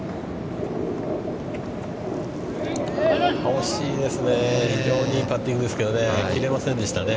惜しいですね。